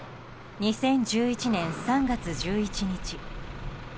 ２０１１年３月１１日。